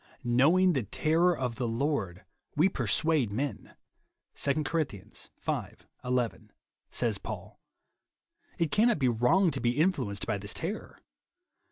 " Knowing the terror of the Lord, wo persuade men" (2 Cor. v. 11), says Paul. It cannot be wrong to be influ enced by this terror.